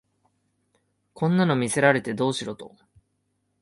こんなの見せられてどうしろと